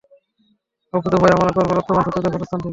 অকুতোভয়ে, আমরা করবো রক্তপান শত্রুদের ক্ষতস্থান থেকে।